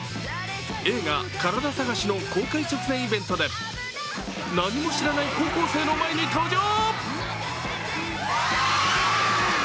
映画、「カラダ探し」の公開直前イベントで何も知らない高校生の前に登場。